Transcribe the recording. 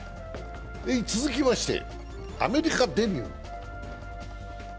続きましてアメリカデビュー。